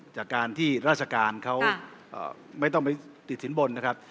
จากการที่ราชการเขาไม่ต้องไปติดสินบนนะครับ